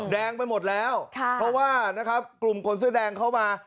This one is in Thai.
แดงไปหมดแล้วเพราะว่านะครับกลุ่มคนเสื้อแดงเข้ามา